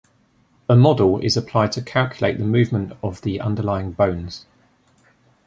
A model is applied to calculate the movement of the underlying bones.